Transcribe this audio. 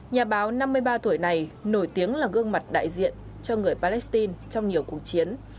nhà báo năm mươi ba tuổi này nổi tiếng là gương mặt đại diện cho người palestine trong nhiều cuộc chiến